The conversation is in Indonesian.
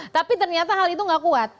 tapi ternyata hal itu gak kuat